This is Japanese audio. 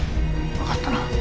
分かったな。